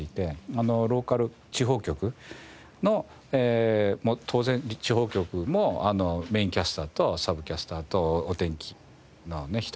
ローカル地方局の当然地方局もメインキャスターとサブキャスターとお天気の人がいて。